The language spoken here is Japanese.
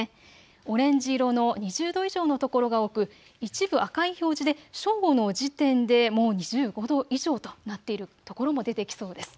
オレンジ色の２０度以上の所が多く、一部赤い表示で正午の時点でもう２５度以上となっている所も出てきそうです。